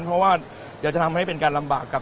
เพราะว่าเดี๋ยวจะทำให้เป็นการลำบากกับ